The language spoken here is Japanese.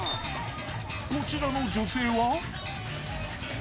こちらの女性は。